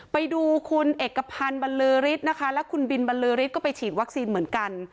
ไปดูคุณเอกพันธ์บรรลือฤทธิ์นะคะและคุณบินบรรลือฤทธิก็ไปฉีดวัคซีนเหมือนกัน